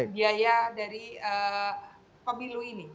biaya dari pemilu ini